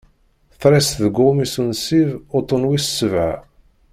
Tres deg uɣmis unsib uṭṭun wis ssebɛa.